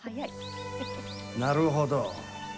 なるほど。